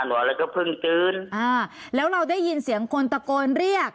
อะไรก็เพิ่งตื่นอ่าแล้วเราได้ยินเสียงคนตะโกนเรียก